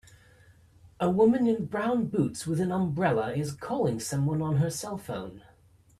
A woman in brown boots with an umbrella is calling someone on her cellphone.